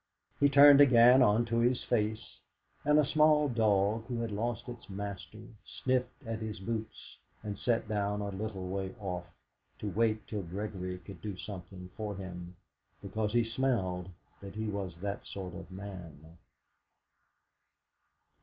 He turned again on to his face. And a small dog who had lost its master sniffed at his boots, and sat down a little way off, to wait till Gregory could do something for him, because he smelled that he was that sort of man.